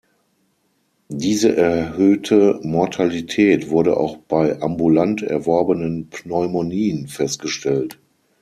Diese erhöhte Mortalität wurde auch bei ambulant erworbenen Pneumonien festgestellt.